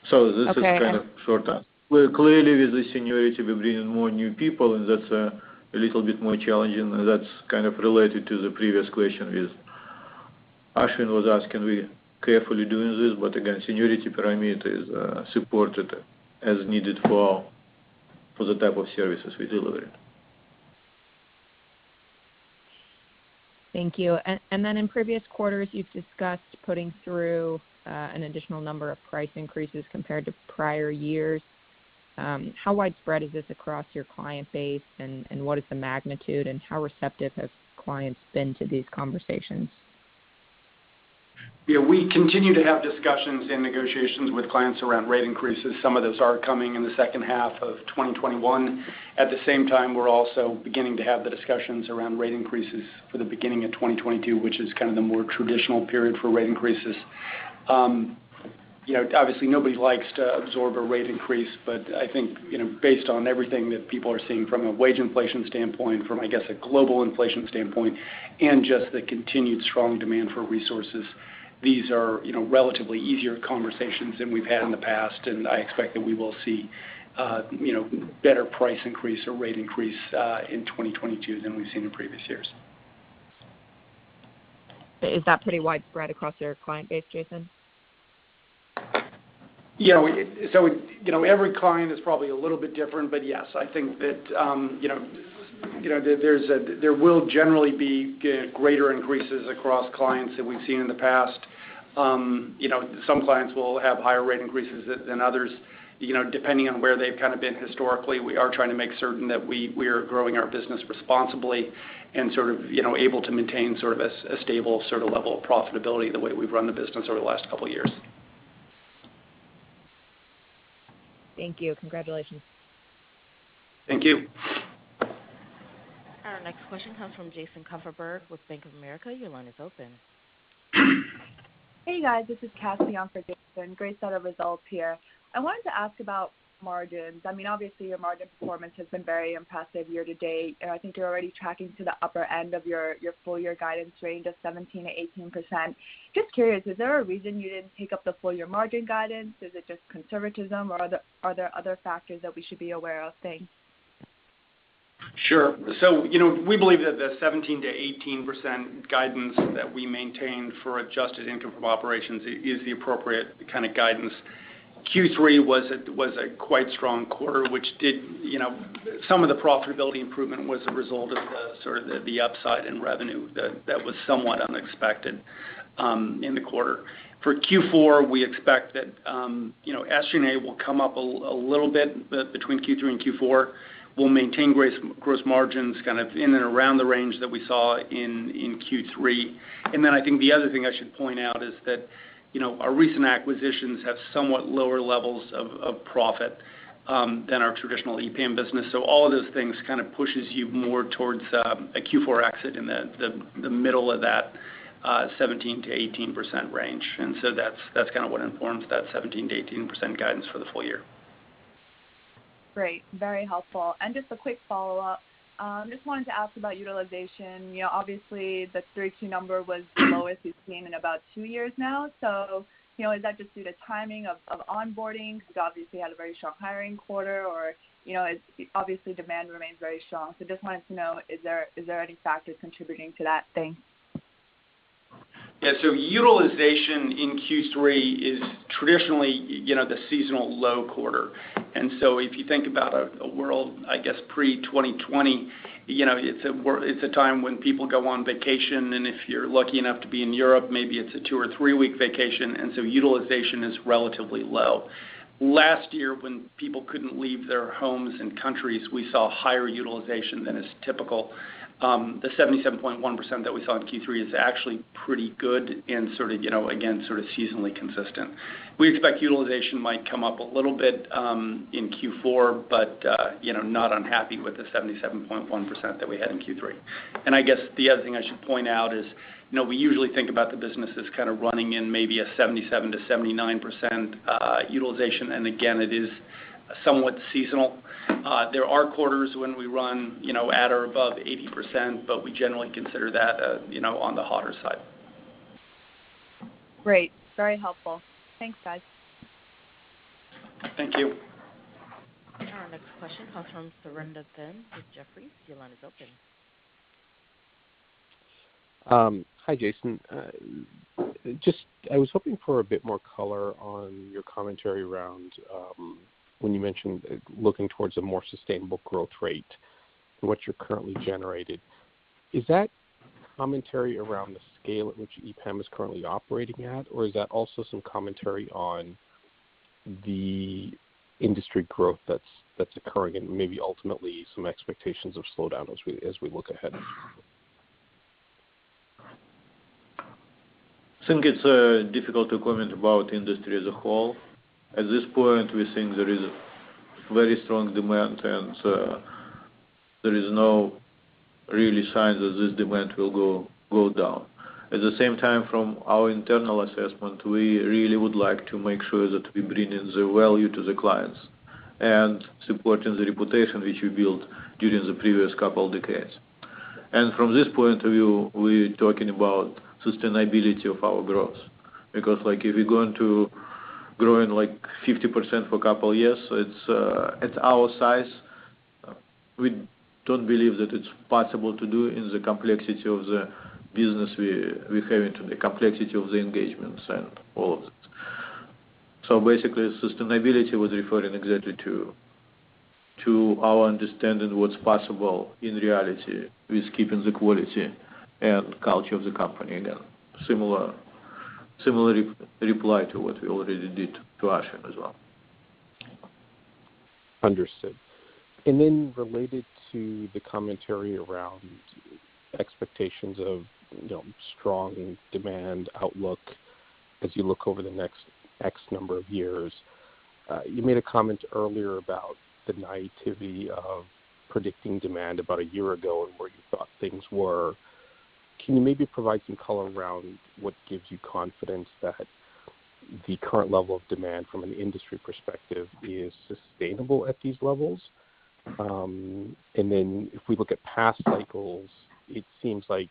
This is- Okay. Got it. Kind of short answer. Well, clearly, with the seniority, we bring in more new people, and that's a little bit more challenging. That's kind of related to the previous question with Ashwin was asking, we carefully doing this. Again, seniority pyramid is supported as needed for the type of services we deliver. Thank you. In previous quarters, you've discussed putting through an additional number of price increases compared to prior years. How widespread is this across your client base, and what is the magnitude, and how receptive have clients been to these conversations? Yeah. We continue to have discussions and negotiations with clients around rate increases. Some of those are coming in the second half of 2021. At the same time, we're also beginning to have the discussions around rate increases for the beginning of 2022, which is kind of the more traditional period for rate increases. You know, obviously, nobody likes to absorb a rate increase, but I think, you know, based on everything that people are seeing from a wage inflation standpoint, from, I guess, a global inflation standpoint, and just the continued strong demand for resources, these are, you know, relatively easier conversations than we've had in the past. I expect that we will see, you know, better price increase or rate increase in 2022 than we've seen in previous years. Is that pretty widespread across your client base, Jason? Yeah. Every client is probably a little bit different, but yes, I think that, you know, there will generally be greater increases across clients than we've seen in the past. You know, some clients will have higher rate increases than others, you know, depending on where they've kind of been historically. We are trying to make certain that we are growing our business responsibly and sort of, you know, able to maintain sort of a stable sort of level of profitability the way we've run the business over the last couple years. Thank you. Congratulations. Thank you. Our next question comes from Jason Kupferberg with Bank of America. Your line is open. Hey, guys, this is Cathy on for Jason. Great set of results here. I wanted to ask about margins. I mean, obviously, your margin performance has been very impressive year-to-date, and I think you're already tracking to the upper end of your full-year guidance range of 17%-18%. Just curious, is there a reason you didn't take up the full-year margin guidance? Is it just conservatism, or are there other factors that we should be aware of? Thanks. Sure. You know, we believe that the 17%-18% guidance that we maintained for adjusted income from operations is the appropriate kind of guidance. Q3 was a quite strong quarter. You know, some of the profitability improvement was a result of the upside in revenue that was somewhat unexpected in the quarter. For Q4, we expect that, you know, SG&A will come up a little bit between Q3 and Q4. We'll maintain gross margins kind of in and around the range that we saw in Q3. I think the other thing I should point out is that, you know, our recent acquisitions have somewhat lower levels of profit than our traditional EPAM business. All of those things kind of pushes you more towards a Q4 exit in the middle of that 17%-18% range. That's kind of what informs that 17%-18% guidance for the full-year. Great. Very helpful. Just a quick follow-up. Just wanted to ask about utilization. You know, obviously, the 30% number was the lowest we've seen in about two years now. You know, is that just due to timing of onboarding, because obviously you had a very strong hiring quarter or, you know, obviously demand remains very strong. Just wanted to know, is there any factors contributing to that? Thanks. Yeah. Utilization in Q3 is traditionally, you know, the seasonal low quarter. If you think about a world, I guess, pre-2020, you know, it's a time when people go on vacation, and if you're lucky enough to be in Europe, maybe it's a two or three week vacation, and utilization is relatively low. Last year, when people couldn't leave their homes and countries, we saw higher utilization than is typical. The 77.1% that we saw in Q3 is actually pretty good and sort of, you know, again, sort of seasonally consistent. We expect utilization might come up a little bit in Q4, but you know, not unhappy with the 77.1% that we had in Q3. I guess the other thing I should point out is, you know, we usually think about the business as kind of running in maybe a 77%-79% utilization, and again, it is somewhat seasonal. There are quarters when we run, you know, at or above 80%, but we generally consider that, you know, on the hotter side. Great. Very helpful. Thanks, guys. Thank you. Our next question comes from Surinder Thind with Jefferies. Your line is open. Hi, Jason. Just, I was hoping for a bit more color on your commentary around when you mentioned looking towards a more sustainable growth rate than what you currently generated. Is that commentary around the scale at which EPAM is currently operating at, or is that also some commentary on the industry growth that's occurring and maybe ultimately some expectations of slowdown as we look ahead? I think it's difficult to comment about industry as a whole. At this point, we think there is a very strong demand, and there is no real sign that this demand will go down. At the same time, from our internal assessment, we really would like to make sure that we bring in the value to the clients and supporting the reputation which we built during the previous couple decades. From this point of view, we're talking about sustainability of our growth. Because like if we're going to growing like 50% for a couple years, it's at our size, we don't believe that it's possible to do in the complexity of the business we have today, complexity of the engagements and all of that. Basically, sustainability was referring exactly to our understanding of what's possible in reality with keeping the quality and culture of the company. Similar reply to what we already did to Ashwin as well. Understood. Related to the commentary around expectations of, you know, strong demand outlook as you look over the next X number of years, you made a comment earlier about the naivety of predicting demand about a year ago and where you thought things were. Can you maybe provide some color around what gives you confidence that the current level of demand from an industry perspective is sustainable at these levels? If we look at past cycles, it seems like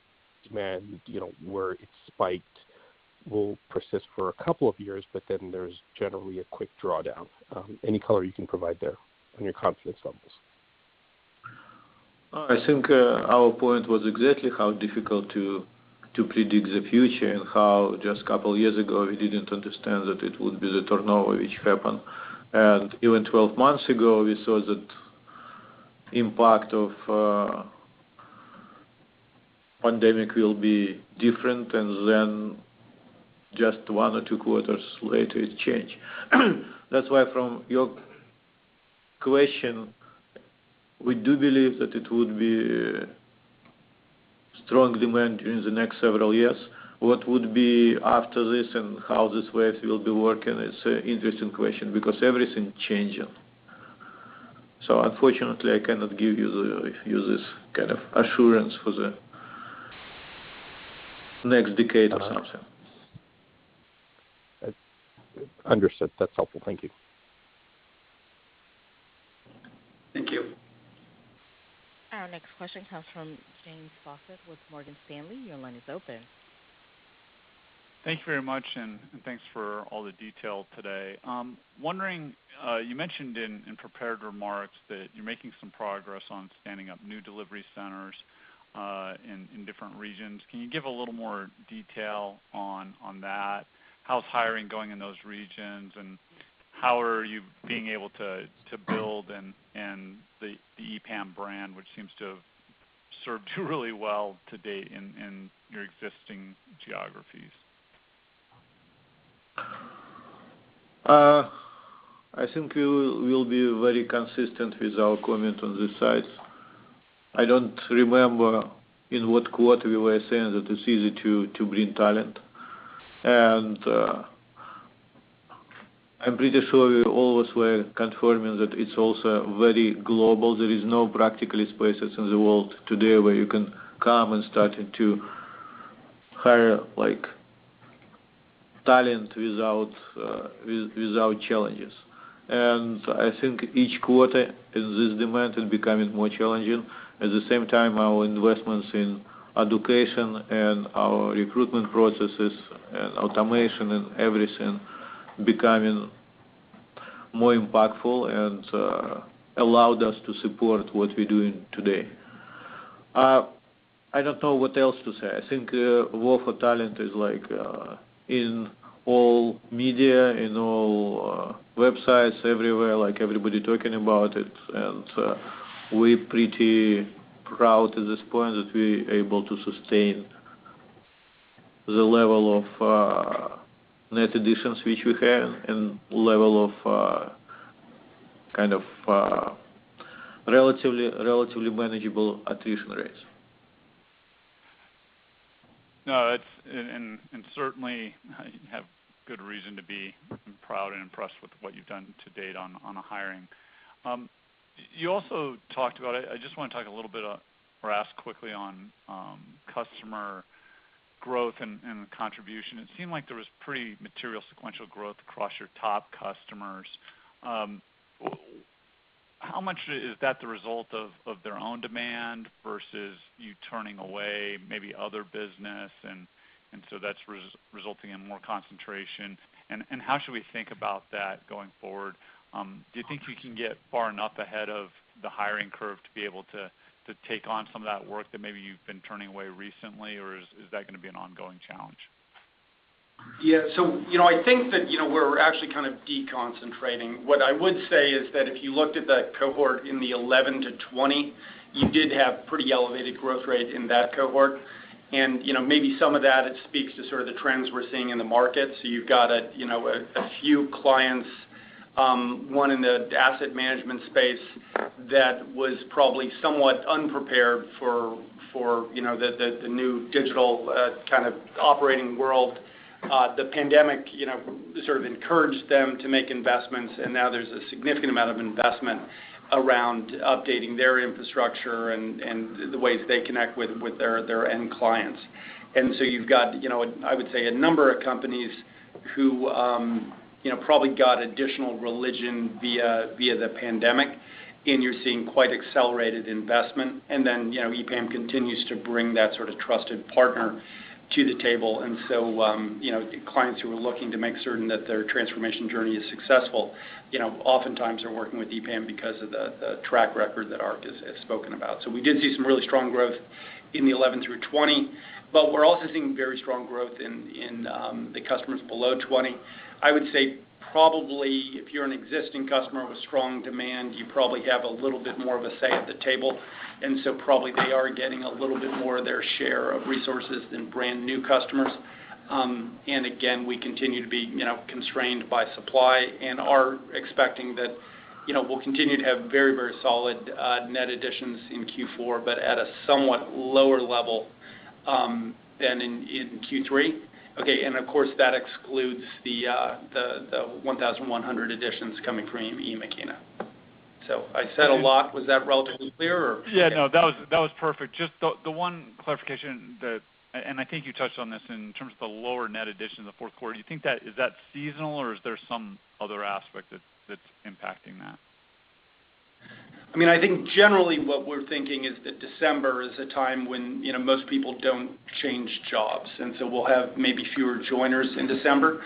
demand, you know, where it spiked will persist for a couple of years, but then there's generally a quick drawdown. Any color you can provide there on your confidence levels? I think our point was exactly how difficult to predict the future and how just a couple years ago, we didn't understand that it would be the turnover which happened. Even 12 months ago, we saw that impact of pandemic will be different, and then just one or two quarters later, it changed. That's why from your question, we do believe that it would be Strong demand during the next several years. What would be after this and how this wave will be working is an interesting question because everything changing. Unfortunately, I cannot give you this kind of assurance for the next decade or something. Understood. That's helpful. Thank you. Thank you. Our next question comes from James Faucette with Morgan Stanley. Your line is open. Thank you very much, and thanks for all the detail today. I'm wondering, you mentioned in prepared remarks that you're making some progress on standing up new delivery centers in different regions. Can you give a little more detail on that? How's hiring going in those regions, and how are you able to build and the EPAM brand, which seems to have served you really well to date in your existing geographies? I think we'll be very consistent with our comment on this side. I don't remember in what quarter we were saying that it's easy to bring talent. I'm pretty sure we always were confirming that it's also very global. There is no practical places in the world today where you can come and start to hire, like, talent without challenges. I think each quarter in this demand is becoming more challenging. At the same time, our investments in education and our recruitment processes and automation and everything becoming more impactful and allowed us to support what we're doing today. I don't know what else to say. I think war for talent is like in all media, in all websites, everywhere, like, everybody talking about it. We're pretty proud at this point that we're able to sustain the level of net additions which we have and level of kind of relatively manageable attrition rates. No, it's certainly you have good reason to be proud and impressed with what you've done to date on the hiring. You also talked about. I just wanna talk a little bit or ask quickly on customer growth and contribution. It seemed like there was pretty material sequential growth across your top customers. How much is that the result of their own demand versus you turning away maybe other business, and so that's resulting in more concentration? How should we think about that going forward? Do you think you can get far enough ahead of the hiring curve to be able to take on some of that work that maybe you've been turning away recently, or is that gonna be an ongoing challenge? Yeah. You know, I think that, you know, we're actually kind of deconcentrating. What I would say is that if you looked at the cohort in the 11-20, you did have pretty elevated growth rate in that cohort. You know, maybe some of that, it speaks to sort of the trends we're seeing in the market. You've got a few clients, one in the asset management space that was probably somewhat unprepared for, you know, the new digital kind of operating world. The pandemic, you know, sort of encouraged them to make investments, and now there's a significant amount of investment around updating their infrastructure and the ways they connect with their end clients. You've got, you know, I would say a number of companies who, you know, probably got additional religion via the pandemic, and you're seeing quite accelerated investment. EPAM continues to bring that sort of trusted partner to the table. Clients who are looking to make certain that their transformation journey is successful, you know, oftentimes are working with EPAM because of the track record that Ark has spoken about. We did see some really strong growth in the 11 through 20, but we're also seeing very strong growth in the customers below 20. I would say probably if you're an existing customer with strong demand, you probably have a little bit more of a say at the table. Probably they are getting a little bit more of their share of resources than brand new customers. Again, we continue to be, you know, constrained by supply and are expecting that, you know, we'll continue to have very, very solid net additions in Q4, but at a somewhat lower level than in Q3. Okay, and of course, that excludes the 1,100 additions coming from Emakina. I said a lot. Was that relatively clear or- Yeah, no, that was perfect. Just the one clarification that I think you touched on this in terms of the lower net addition in the fourth quarter, do you think that is that seasonal or is there some other aspect that's impacting that? I mean, I think generally what we're thinking is that December is a time when, you know, most people don't change jobs, and so we'll have maybe fewer joiners in December.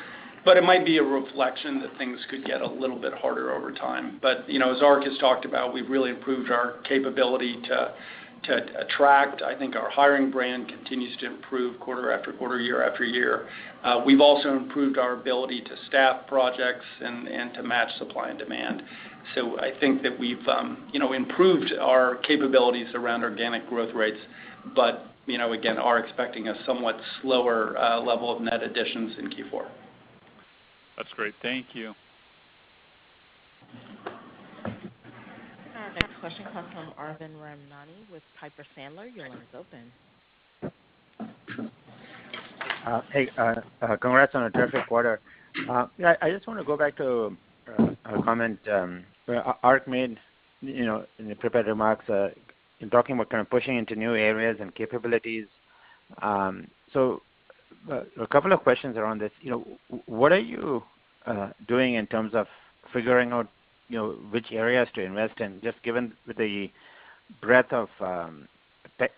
It might be a reflection that things could get a little bit harder over time. You know, as Ark has talked about, we've really improved our capability to attract. I think our hiring brand continues to improve quarter after quarter, year after year. We've also improved our ability to staff projects and to match supply and demand. I think that we've, you know, improved our capabilities around organic growth rates, but, you know, again, are expecting a somewhat slower level of net additions in Q4. That's great. Thank you. Next question comes from Arvind Ramnani with Piper Sandler. Your line is open. Hey, congrats on a terrific quarter. Yeah, I just want to go back to a comment Ark made, you know, in the prepared remarks, in talking about kind of pushing into new areas and capabilities. So a couple of questions around this. You know, what are you doing in terms of figuring out, you know, which areas to invest in, just given the breadth of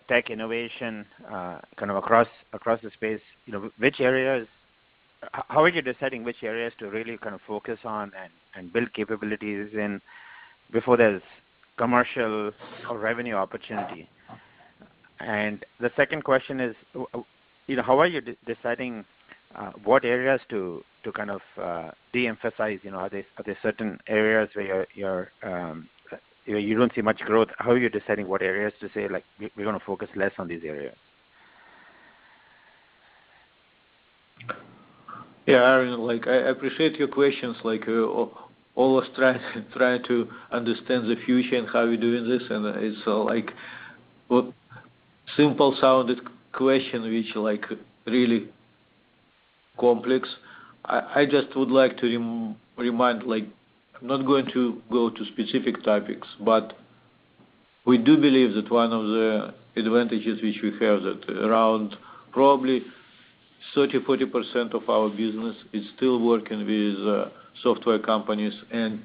tech innovation kind of across the space? How are you deciding which areas to really kind of focus on and build capabilities in before there's commercial or revenue opportunity? And the second question is, you know, how are you deciding what areas to kind of de-emphasize? You know, are there certain areas where you're you know, you don't see much growth? How are you deciding what areas to say, like, we're gonna focus less on this area? Yeah, Arvind, like, I appreciate your questions, like, always trying to understand the future and how we're doing this. It's a simple-sounding question which is really complex. I just would like to remind, like, I'm not going to go to specific topics, but we do believe that one of the advantages which we have that around probably 30%-40% of our business is still working with software companies and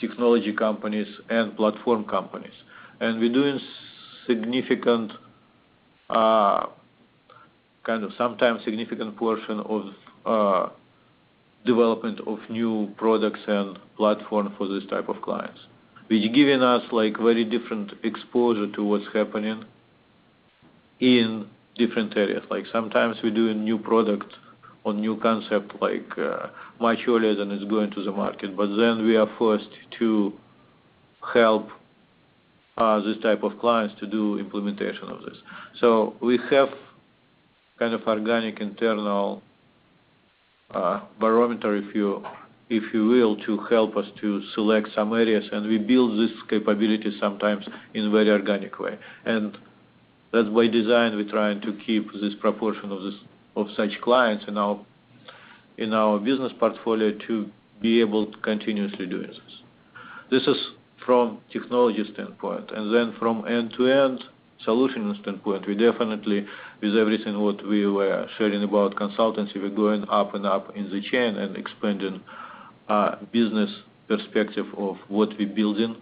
technology companies and platform companies. We're doing significant, kind of sometimes significant portion of development of new products and platform for this type of clients, which is giving us, like, very different exposure to what's happening in different areas. Like, sometimes we're doing new product or new concept, like, much earlier than it's going to the market. We are first to help this type of clients to do implementation of this. We have kind of organic internal barometer, if you will, to help us to select some areas, and we build this capability sometimes in very organic way. That's by design, we're trying to keep this proportion of such clients in our business portfolio to be able to continuously doing this. This is from technology standpoint. From end-to-end solutions standpoint, we definitely, with everything what we were sharing about consultancy, we're going up and up in the chain and expanding business perspective of what we're building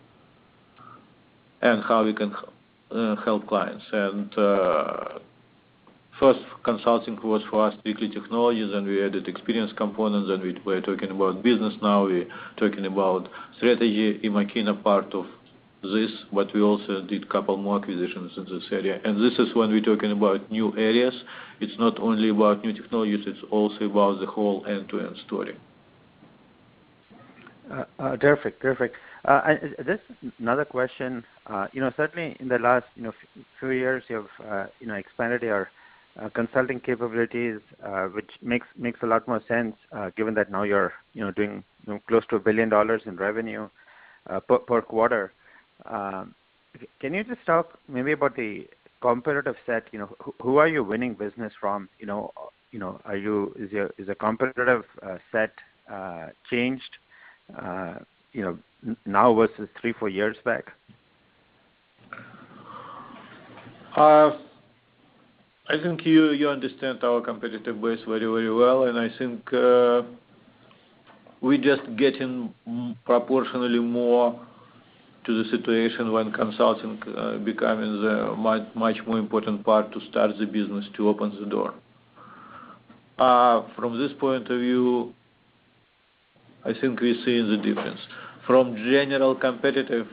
and how we can help clients. First consulting was for us strictly technology, then we added experience components, then we're talking about business now, we're talking about strategy in making a part of this, but we also did couple more acquisitions in this area. This is when we're talking about new areas. It's not only about new technologies, it's also about the whole end-to-end story. Terrific. This is another question. You know, certainly in the last few years, you have expanded your consulting capabilities, which makes a lot more sense, given that now you're doing close to $1 billion in revenue per quarter. Can you just talk maybe about the competitive set? You know, who are you winning business from? You know, is the competitive set changed now versus three, four years back? I think you understand our competitive base very, very well, and I think, we're just getting proportionally more to the situation when consulting becoming the much, much more important part to start the business, to open the door. From this point of view, I think we're seeing the difference. From general competitive,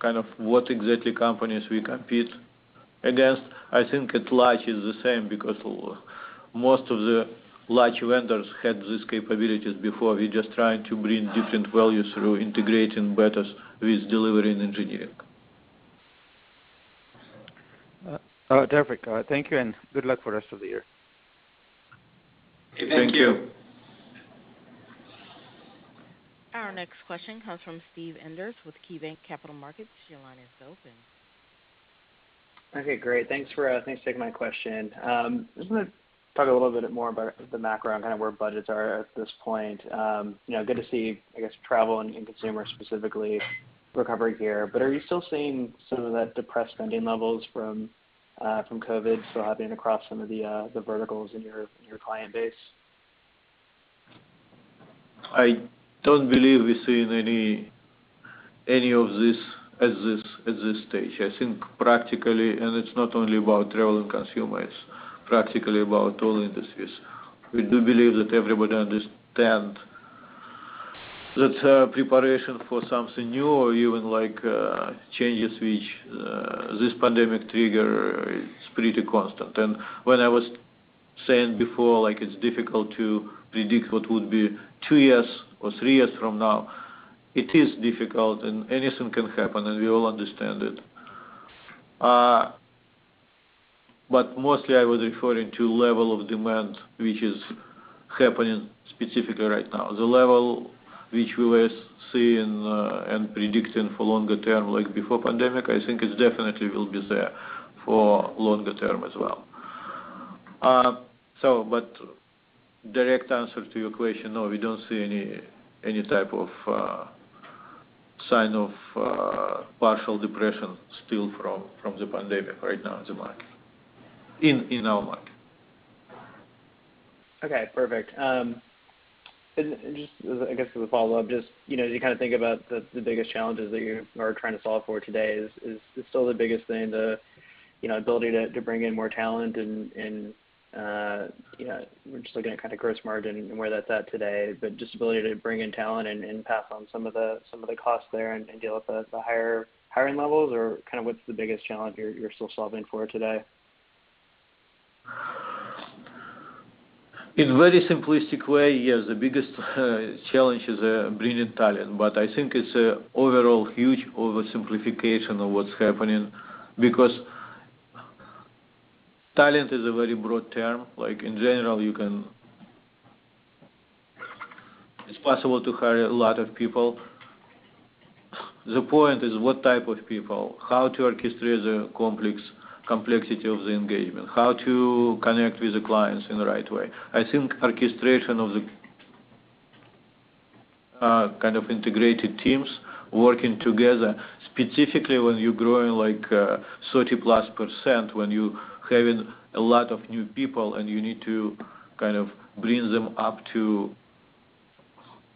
kind of what exactly companies we compete against, I think at large it's the same because most of the large vendors had these capabilities before. We're just trying to bring different value through integrating better with delivery and engineering. Terrific. Thank you and good luck for the rest of the year. Thank you. Our next question comes from Steve Enders with KeyBanc Capital Markets. Your line is open. Okay, great. Thanks for taking my question. I just wanna talk a little bit more about the macro and kind of where budgets are at this point. You know, good to see, I guess, travel and consumer specifically recovering here. Are you still seeing some of that depressed spending levels from COVID still happening across some of the verticals in your client base? I don't believe we're seeing any of this at this stage. I think practically, and it's not only about travel and consumer, it's practically about all industries. We do believe that everybody understand that, preparation for something new or even like, changes which, this pandemic trigger is pretty constant. When I was saying before, like, it's difficult to predict what would be two years or three years from now, it is difficult and anything can happen, and we all understand it. But mostly I was referring to level of demand, which is happening specifically right now. The level which we were seeing, and predicting for longer term, like before pandemic, I think it definitely will be there for longer term as well. Direct answer to your question, no, we don't see any type of sign of partial depression still from the pandemic right now in the market, in our market. Okay, perfect. Just as I guess as a follow-up, just, you know, as you kind of think about the biggest challenges that you are trying to solve for today is still the biggest thing, you know, the ability to bring in more talent and you know, we're just looking at kind of gross margin and where that's at today. Just ability to bring in talent and pass on some of the costs there and deal with the higher hiring levels or kind of what's the biggest challenge you're still solving for today? In very simplistic way, yes, the biggest challenge is bringing talent. I think it's an overall huge oversimplification of what's happening because talent is a very broad term. Like, in general, it's possible to hire a lot of people. The point is what type of people, how to orchestrate the complexity of the engagement, how to connect with the clients in the right way. I think orchestration of kind of integrated teams working together, specifically when you're growing like 30%+, when you're having a lot of new people and you need to kind of bring them up to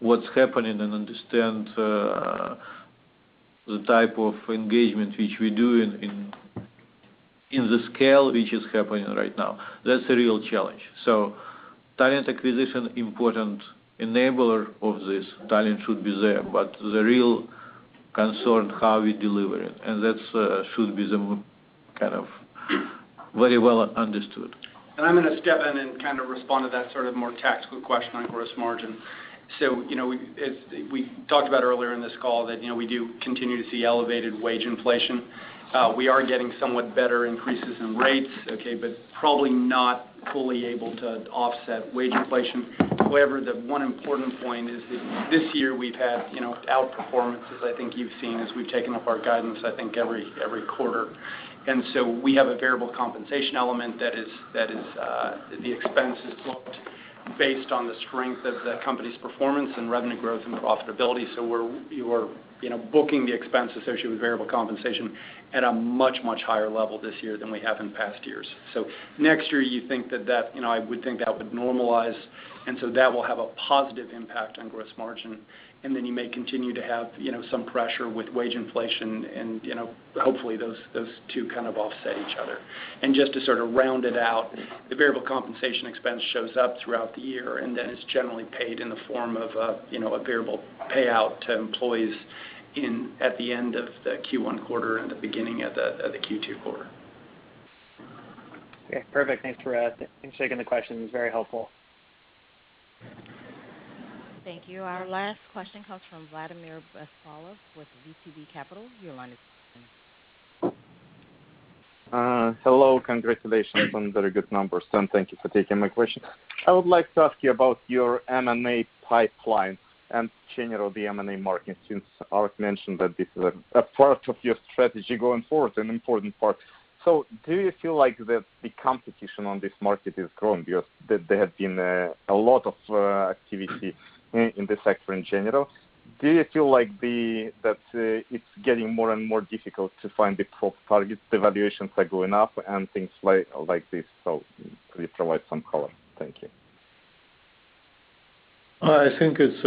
what's happening and understand the type of engagement which we do in the scale which is happening right now. That's a real challenge. Talent acquisition important enabler of this talent should be there, but the real concern how we deliver it, and that should be the kind of very well understood. I'm gonna step in and kind of respond to that sort of more tactical question on gross margin. You know, as we talked about earlier in this call, you know, we do continue to see elevated wage inflation. We are getting somewhat better increases in rates, okay, but probably not fully able to offset wage inflation. However, the one important point is that this year we've had, you know, outperformance, as I think you've seen, as we've taken up our guidance, I think every quarter. We have a variable compensation element that is the expense is booked based on the strength of the company's performance and revenue growth and profitability. We're, you know, booking the expense associated with variable compensation at a much higher level this year than we have in past years. Next year, you think that. You know, I would think that would normalize, and so that will have a positive impact on gross margin. Then you may continue to have, you know, some pressure with wage inflation and, you know, hopefully those two kind of offset each other. Just to sort of round it out, the variable compensation expense shows up throughout the year, and then it's generally paid in the form of a, you know, a variable payout to employees in, at the end of the Q1 quarter and the beginning of the Q2 quarter. Okay, perfect. Thanks for that. Thanks for taking the question. It was very helpful. Thank you. Our last question comes from Vladimir Bespalov with VTB Capital. Your line is open. Hello. Congratulations on very good numbers, and thank you for taking my question. I would like to ask you about your M&A pipeline and generally the M&A market, since Ark mentioned that this is a part of your strategy going forward, an important part. Do you feel like the competition on this market is growing because there have been a lot of activity in this sector in general? Do you feel like that it's getting more and more difficult to find the top targets, the valuations are going up and things like this? Could you provide some color? Thank you. I think it's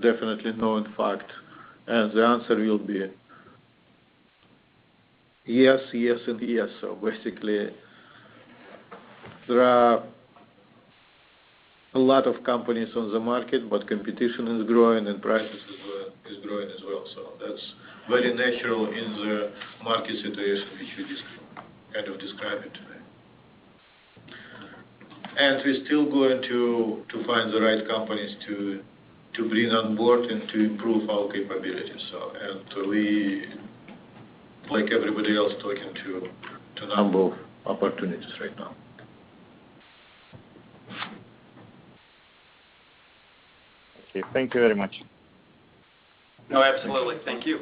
definitely known fact, and the answer will be yes and yes. Basically, there are a lot of companies on the market, but competition is growing and prices is growing as well. That's very natural in the market situation which you just kind of described today. We're still going to find the right companies to bring on board and to improve our capabilities. We, like everybody else, talking to a number of opportunities right now. Okay. Thank you very much. No, absolutely. Thank you.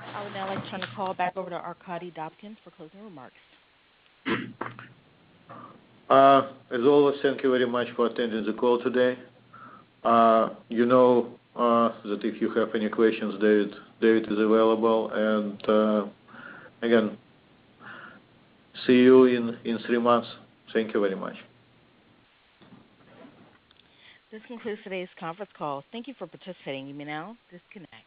I would now like to turn the call back over to Arkadiy Dobkin for closing remarks. As always, thank you very much for attending the call today. You know that if you have any questions, David is available. Again, see you in three months. Thank you very much. This concludes today's conference call. Thank you for participating. You may now disconnect.